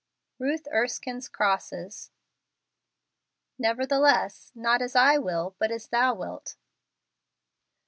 Ruth Erskine's Crosses. " Nevertheless, not as I will , but as thou wilt."